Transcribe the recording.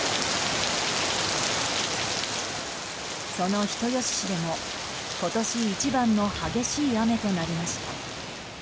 その人吉市でも、今年一番の激しい雨となりました。